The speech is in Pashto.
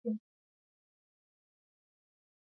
آیا د انګورو باغونه په چیله شوي؟